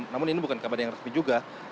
namun ini bukan kabar yang resmi juga